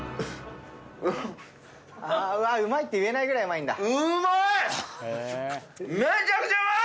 うわうまいって言えないぐらいうまいんだ。